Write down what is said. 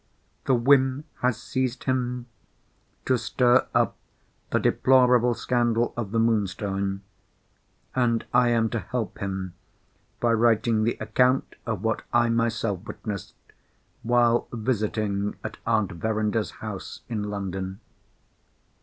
The whim has seized him to stir up the deplorable scandal of the Moonstone: and I am to help him by writing the account of what I myself witnessed while visiting at Aunt Verinder's house in London.